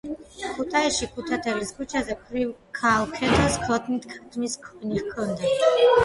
ქუთაისში ქუთათელის ქუჩაზე ქვრივ ქალ ქეთოს ქოთნით, ქათმის ქონი ქონდა